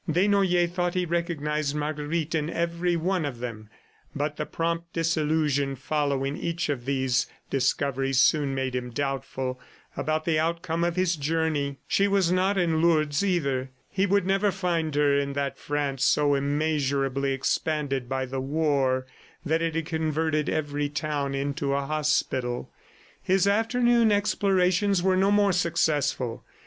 Desnoyers thought he recognized Marguerite in every one of them, but the prompt disillusion following each of these discoveries soon made him doubtful about the outcome of his journey. She was not in Lourdes, either. He would never find her in that France so immeasurably expanded by the war that it had converted every town into a hospital. His afternoon explorations were no more successful.